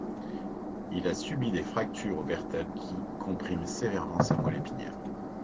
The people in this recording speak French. Il a subi des fractures aux vertèbres qui compriment sévèrement sa moelle épinière.